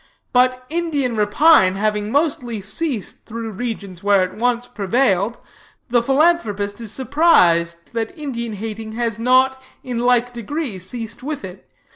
But Indian rapine having mostly ceased through regions where it once prevailed, the philanthropist is surprised that Indian hating has not in like degree ceased with it.